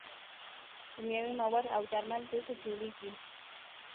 کیمیاوي مواد او درمل دلته جوړیږي.